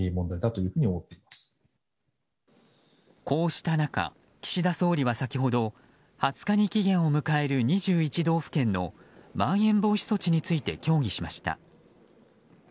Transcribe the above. こうした中、岸田総理は先ほど２０日に期限を迎える２１道府県のまん延防止措置について協議しました。